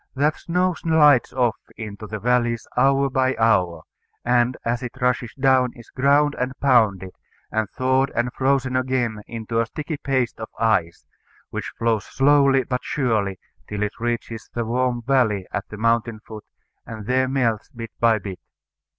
That snow slides off into the valleys hour by hour, and as it rushes down is ground and pounded, and thawed and frozen again into a sticky paste of ice, which flows slowly but surely till it reaches the warm valley at the mountain foot, and there melts bit by bit.